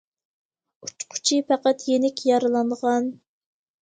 ئۇچقۇچى پەقەت يېنىك يارىلانغان.